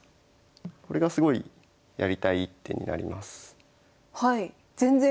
これがすごいやりたい一手になります。